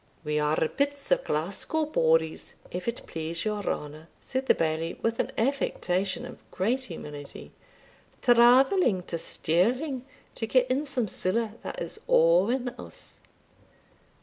"We are bits o' Glasgow bodies, if it please your honour," said the Bailie, with an affectation of great humility, "travelling to Stirling to get in some siller that is awing us."